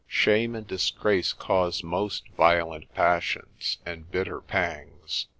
Shame and disgrace cause most violent passions and bitter pangs.